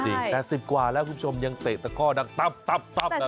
แต่๘๐กว่าแล้วคุณชมยังเตะตะก้อดับแบบนี้